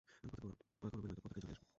আমি পতাকা উড়াবই, নয়তো পতাকায় জড়িয়ে আসব।